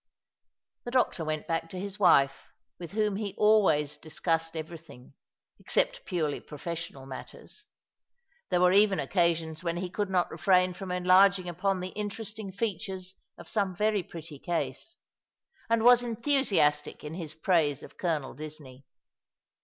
'* The doctor went back to his wife, with whom he always discussed everything, except purely professional matters — there were even occasions when he could not refrain from enlarging upon the interesting features of some very pretty case — and was enthusiastic in his praise of Colonel Disney.